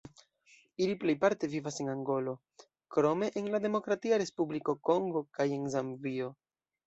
Ili plejparte vivas en Angolo, krome en la Demokratia Respubliko Kongo kaj en Zambio.